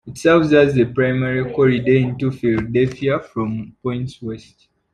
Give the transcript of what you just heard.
It serves as the primary corridor into Philadelphia from points west.